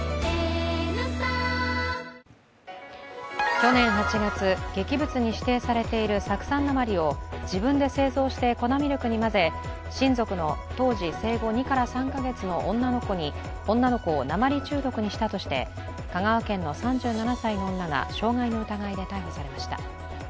去年８月、劇物に指定されている酢酸鉛を自分で製造して粉ミルクに混ぜ親族の当時生後２３か月の女の子を鉛中毒にしたとして香川県の３７歳の女が傷害の疑いで逮捕されました。